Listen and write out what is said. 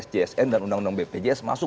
jsn dan undang undang bpjs masuk